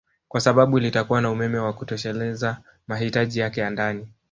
kwa sababu litakuwa na umeme wa kutosheleza mahitaji yake ya ndani